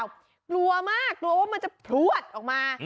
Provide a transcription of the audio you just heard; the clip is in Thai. กลัวมากกลัวว่ามันจะพลวดออกมา